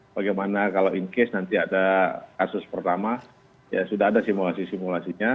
bagaimana kalau in case nanti ada kasus pertama ya sudah ada simulasi simulasinya